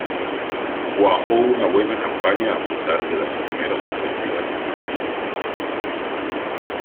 Cuajó una buena campaña a pesar de las primeras adversidades.